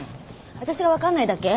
私が分かんないだけ？